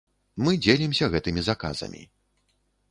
Мы дзелімся гэтымі заказамі.